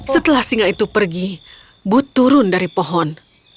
setelah singa itu pergi bud turun dari pohon